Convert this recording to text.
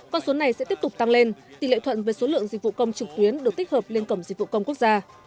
con số này sẽ tiếp tục tăng lên tỷ lệ thuận về số lượng dịch vụ công trực tuyến được tích hợp lên cổng dịch vụ công quốc gia